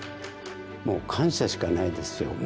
もう感謝しかないですよ。